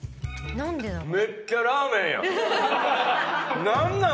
何でだろう？